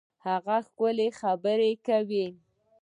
هغه ښکلي خبري کوي.